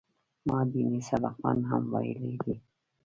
ما ديني سبقان هم ويلي دي.